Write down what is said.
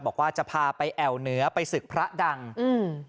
บอกว่าจะพาไปแอวเหนือไปศึกพระดังอืม